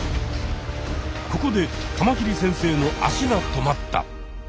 ここでカマキリ先生の足が止まった。